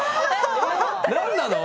何なの？